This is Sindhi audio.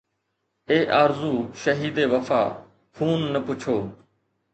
اي آرزو شهيد وفا! خون نه پڇو